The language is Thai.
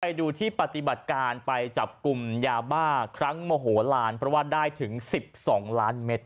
ไปดูที่ปฏิบัติการไปจับกลุ่มยาบ้าครั้งโมโหลานเพราะว่าได้ถึง๑๒ล้านเมตร